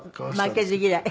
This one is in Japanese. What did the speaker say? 負けず嫌い？